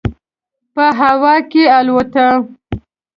په هوا کې والوته.